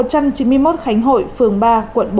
một trăm chín mươi một khánh hội phường ba quận bốn